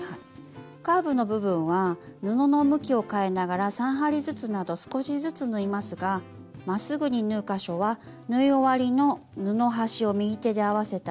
カーブの部分は布の向きを変えながら３針ずつなど少しずつ縫いますがまっすぐに縫う箇所は縫い終わりの布端を右手で合わせたら。